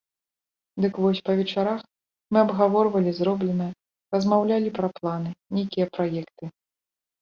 Дык вось, па вечарах мы абгаворвалі зробленае, размаўлялі пра планы, нейкія праекты.